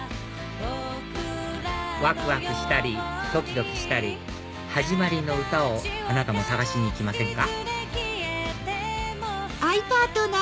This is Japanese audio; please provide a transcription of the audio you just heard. わくわくしたりドキドキしたり始まりの歌をあなたも探しに行きませんか？